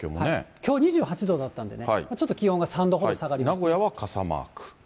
きょう２８度だったんでね、ちょっと気温が３度ほど下がりま名古屋は傘マーク。